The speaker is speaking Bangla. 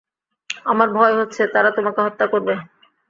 আমার ভয় হচ্ছে, তারা তোমাকে হত্যা করবে।